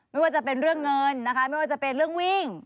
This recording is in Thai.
ไม่ว่าจะเป็นเรื่องเงินนะคะไม่ว่าจะเป็นเรื่องวิ่ง